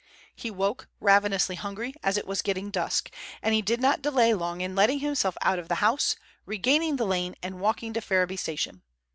He woke, ravenously hungry, as it was getting dusk, and he did not delay long in letting himself out of the house, regaining the lane, and walking to Ferriby Station.